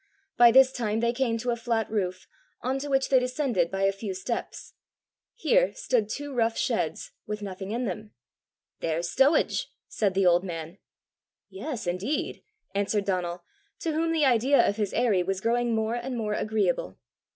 By this time they came to a flat roof, on to which they descended by a few steps. Here stood two rough sheds, with nothing in them. "There's stowage!" said the old man. "Yes, indeed!" answered Donal, to whom the idea of his aerie was growing more and more agreeable.